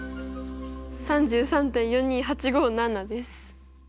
「３３．４２８５７」です。